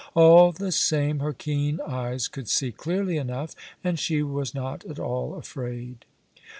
All the same, her keen eyes could see clearly enough, and she was not at all afraid.